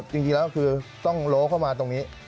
จริงแล้วคือต้องโล้เข้ามาตรงนี้